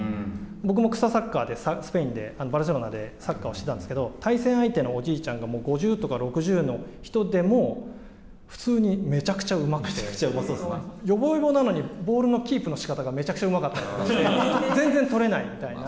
僕も草サッカーで、スペインで、バルセロナでサッカーをしていたんですけど対戦相手のおじいちゃんが、５０とか６０の人でも普通にめちゃくちゃうまくてよぼよぼなのに、ボールのキープの仕方がめちゃくちゃうまくて全然取れないみたいな。